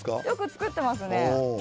よく作ってますね。